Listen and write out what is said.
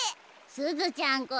すずちゃんこそ。